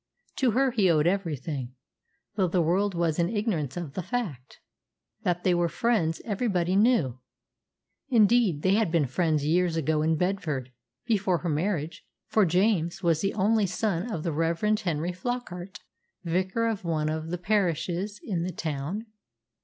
To her he owed everything, though the world was in ignorance of the fact. That they were friends everybody knew. Indeed, they had been friends years ago in Bedford, before her marriage, for James was the only son of the Reverend Henry Flockart, vicar of one of the parishes in the town.